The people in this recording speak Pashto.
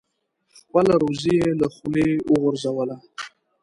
خپله روزي یې له خولې وغورځوله.